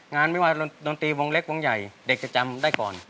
ไม่ว่าดนตรีวงเล็กวงใหญ่เด็กจะจำได้ก่อน